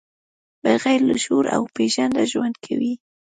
بغیر له شعور او پېژانده ژوند کوي.